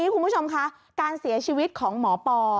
คุณผู้ชมคะการเสียชีวิตของหมอปอ